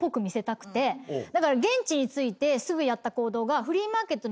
現地に着いてすぐやった行動が。